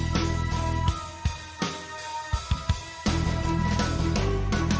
ก็ไม่น่าจะดังกึ่งนะ